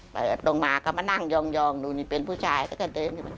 เปิดลงมาก็มานั่งยองดูนี่เป็นผู้ชายก็กระเด้น